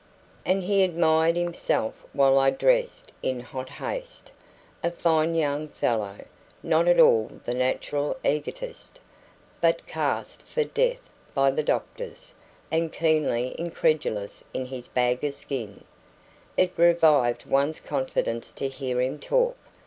And he admired himself while I dressed in hot haste: a fine young fellow; not at all the natural egotist, but cast for death by the doctors, and keenly incredulous in his bag of skin. It revived one's confidence to hear him talk.